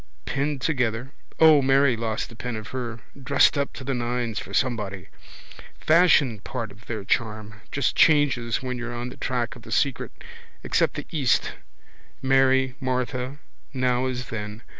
Pinned together. O, Mairy lost the pin of her. Dressed up to the nines for somebody. Fashion part of their charm. Just changes when you're on the track of the secret. Except the east: Mary, Martha: now as then.